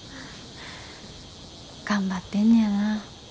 頑張ってんねやな。